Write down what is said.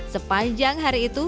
sepanjang hari itu